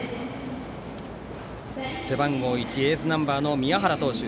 背番号１、エースナンバーの宮原投手